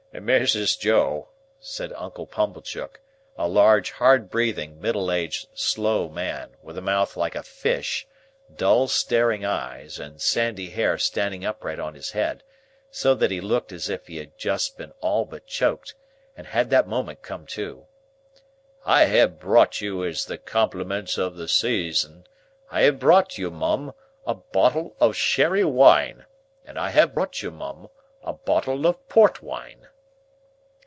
"Mrs. Joe," said Uncle Pumblechook, a large hard breathing middle aged slow man, with a mouth like a fish, dull staring eyes, and sandy hair standing upright on his head, so that he looked as if he had just been all but choked, and had that moment come to, "I have brought you as the compliments of the season—I have brought you, Mum, a bottle of sherry wine—and I have brought you, Mum, a bottle of port wine."